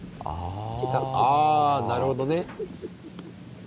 あなるほどね。